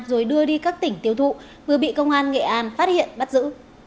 rồi đưa đi các tỉnh tiêu thụ vừa bị công an nghệ an phát hiện bắt giữ